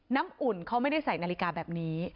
อุ่นเขาไม่ได้ใส่นาฬิกาแบบนี้